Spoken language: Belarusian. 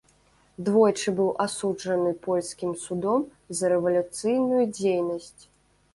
Двойчы быў асуджаны польскім судом за рэвалюцыйную дзейнасць.